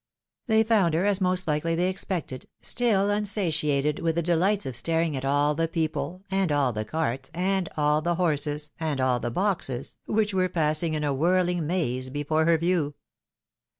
They found her, as most hkely they expected, still unsatiated with the delight of staring at all the people, and all the carts, and all the horses, and all the boxes, which were passing in a whirhng maze before her view.